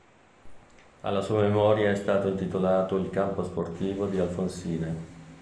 Alla sua memoria è stato intitolato il campo sportivo di Alfonsine.